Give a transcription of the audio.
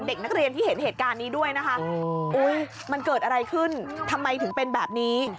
เด็กนักเรียนที่เห็นเหตุการณ์นี้ด้วยนะคะมันเกิดอะไรขึ้นทำไมถึงเป็นแบบนี้